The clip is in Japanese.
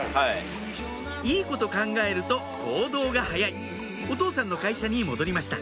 いいこと考えると行動が早いお父さんの会社に戻りました